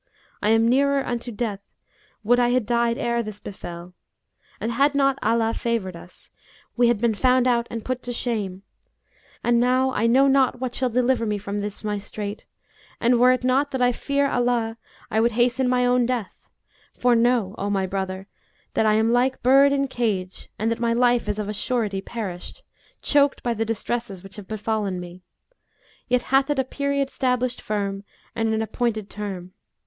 I am nearer unto death, would I had died ere this befel!; and had not Allah favoured us, we had been found out and put to shame. And now I know not what shall deliver me from this my strait, and were it not that I fear Allah, I would hasten my own death; for know, O my brother, that I am like bird in cage and that my life is of a surety perished, choked by the distresses which have befallen me; yet hath it a period stablished firm and an appointed term.'